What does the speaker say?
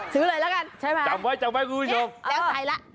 ซื้อเลยละกันใช่ไหมจำไว้คุณผู้ชมแล้วใจละ